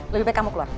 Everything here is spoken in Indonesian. lebih baik kamu keluar